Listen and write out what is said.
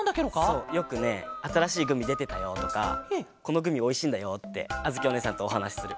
そうよくね「あたらしいグミでてたよ」とか「このグミおいしいんだよ」ってあづきおねえさんとおはなしする。